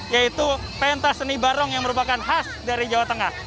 yaitu pentas seni barong yang merupakan khas dari jawa tengah